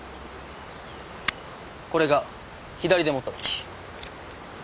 これが左で持ったとき。